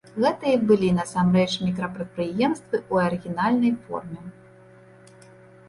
Гэта і былі насамрэч мікрапрадпрыемствы ў арыгінальнай форме.